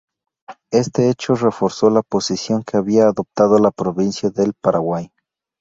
Este hecho reforzó la posición que había adoptado la provincia del Paraguay.